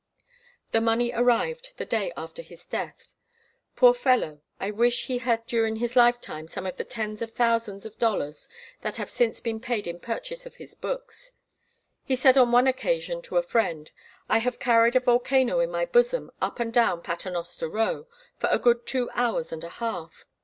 The money arrived the day after his death. Poor fellow! I wish he had during his lifetime some of the tens of thousands of dollars that have since been paid in purchase of his books. He said on one occasion to a friend: "I have carried a volcano in my bosom up and down Paternoster Row for a good two hours and a half.